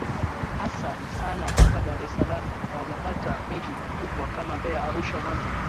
hasa sana hapa dar es salaam hawajapata miji mikubwa kama beya arusha mwanza